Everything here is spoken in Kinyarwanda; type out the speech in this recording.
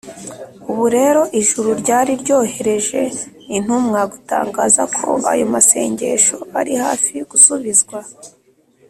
ubu rero ijuru ryari ryohereje intumwa gutangaza ko ayo masengesho ari hafi gusubizwa